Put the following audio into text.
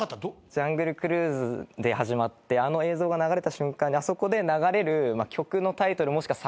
ジャングルクルーズで始まってあの映像が流れた瞬間にあそこで流れる曲のタイトルもしくは作品は何でしょう？